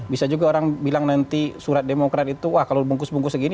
bisa juga orang bilang nanti surat demokrat itu wah kalau dibungkus bungkus segini